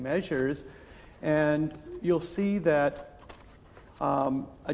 peraturan yang sama